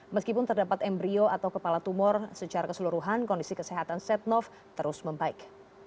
meskipun terdapat embryo atau kepala tumor secara keseluruhan kondisi kesehatan setnov terus membaik